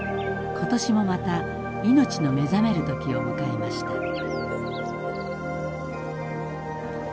今年もまた命の目覚める時を迎えました。